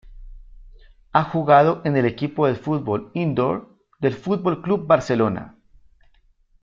Ha jugado en el equipo de fútbol indoor del Fútbol Club Barcelona.